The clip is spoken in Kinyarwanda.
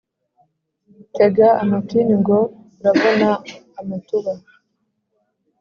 Tega amatini ngo urabona amatuba.